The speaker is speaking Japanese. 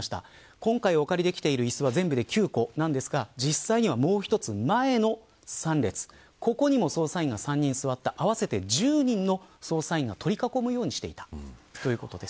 今回、お借りできている椅子は全部で９個ですが実際には、もう一つ前の３列ここにも捜査員が３人座って合わせて１０人の捜査員が取り囲むようにしていたというこです。